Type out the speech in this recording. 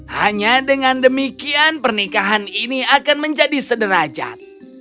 hanya dengan demikian pernikahan ini akan menjadi sederajat